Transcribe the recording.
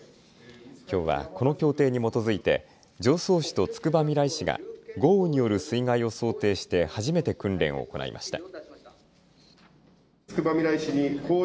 きょうはこの協定に基づいて常総市とつくばみらい市が豪雨による水害を想定して初めて訓練を行いました。